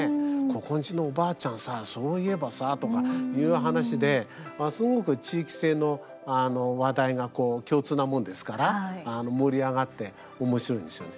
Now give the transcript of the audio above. ここんちのおばあちゃんさそういえばさとかいう話ですごく地域性の話題が共通なものですから盛り上がっておもしろいんですよね。